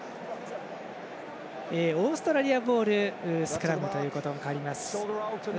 オーストラリアボールスクラムと変わります。